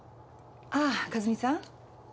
ああ和美さん。